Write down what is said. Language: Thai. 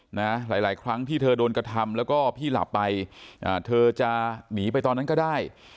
หลายหลายครั้งที่เธอโดนกระทำแล้วก็พี่หลับไปอ่าเธอจะหนีไปตอนนั้นก็ได้